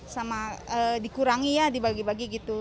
sama dikurangi ya dibagi bagi gitu